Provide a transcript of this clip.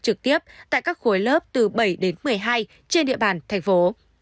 trực tiếp tại các khối lớp từ bảy đến một mươi hai trên địa bàn thành phố